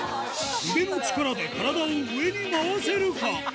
腕の力で体を上に回せるか？